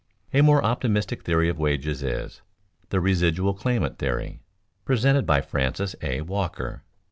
_ A most optimistic theory of wages is "the residual claimant theory," presented by Francis A. Walker.